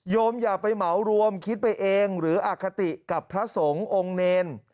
อย่าไปเหมารวมคิดไปเองหรืออคติกับพระสงฆ์องค์เนร